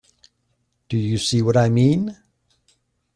Do you see what I mean?